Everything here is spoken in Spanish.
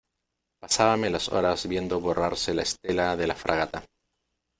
pasábame las horas viendo borrarse la estela de la fragata.